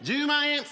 １０万円。